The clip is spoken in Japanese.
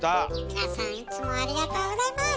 皆さんいつもありがとうございます！